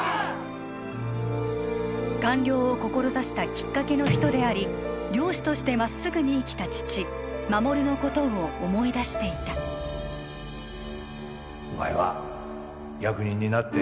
官僚を志したきっかけの人であり漁師としてまっすぐに生きた父衛のことを思い出していたお前は役人になって